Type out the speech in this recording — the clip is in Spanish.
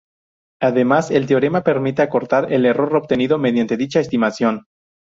Además el teorema permite acotar el error obtenido mediante dicha estimación.